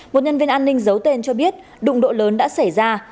một nhân viên an ninh giấu tên cho biết đụng độ lớn đã xảy ra